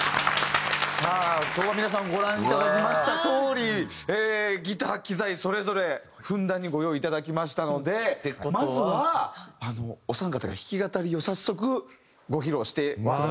さあ今日は皆さんご覧いただきましたとおりギター機材それぞれふんだんにご用意いただきましたのでまずはお三方が弾き語りを早速ご披露してくださると。